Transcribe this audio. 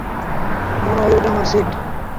মনে হয় ওটা আমার সিট।